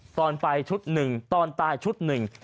ตอนไปชุดหนึ่งตอนตายชุดหนึ่ง